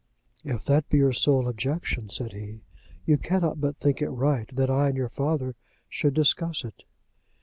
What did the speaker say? "If that be your sole objection," said he, "you cannot but think it right that I and your father should discuss it."